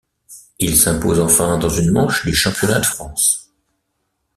Il s'impose enfin dans une manche du championnat de France.